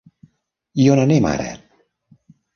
I on anem ara?